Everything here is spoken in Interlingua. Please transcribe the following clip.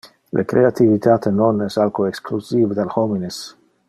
Le creativitate non es alco exclusive del homines.